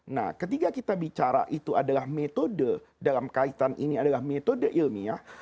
nah ketika kita bicara itu adalah metode dalam kaitan ini adalah metode ilmiah